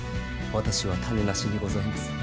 私は種無しにございます！